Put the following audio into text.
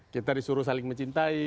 kita disuruh saling mencintai